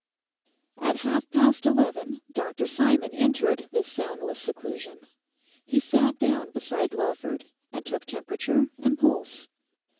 At half past eleven Dr Simon entered this soundless seclusion. He sat down beside Lawford, and took temperature and pulse.